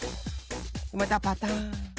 またパタン。